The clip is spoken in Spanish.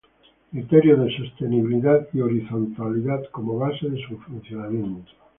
criterios de sostenibilidad y horizontalidad como base de su funcionamiento